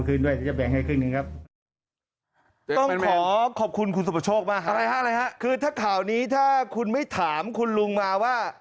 คือถ้าข่าวนี้ถ้าคุณไม่ถามคุณลุงมาว่า